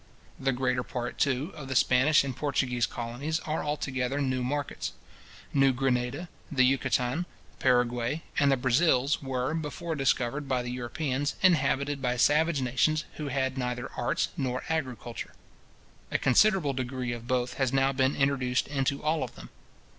The greater part, too, of the Spanish and Portuguese colonies, are altogether new markets. New Granada, the Yucatan, Paraguay, and the Brazils, were, before discovered by the Europeans, inhabited by savage nations, who had neither arts nor agriculture. A considerable degree of both has now been introduced into all of them.